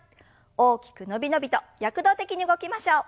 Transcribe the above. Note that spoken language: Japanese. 大きく伸び伸びと躍動的に動きましょう。